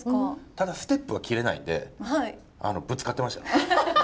ただステップが切れないんでぶつかってました。